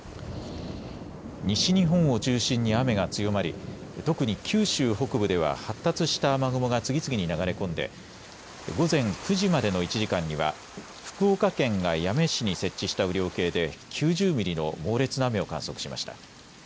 西日本を中心に雨が強まり特に九州北部では発達した雨雲が次々に流れ込んで午前９時までの１時間には福岡県が八女市に設置した雨量計で９０ミリの猛烈な雨を観測しました。